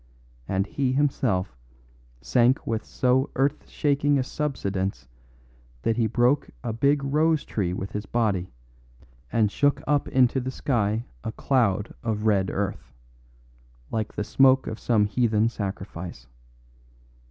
And he himself sank with so earth shaking a subsidence that he broke a big rose tree with his body and shook up into the sky a cloud of red earth like the smoke of some heathen sacrifice.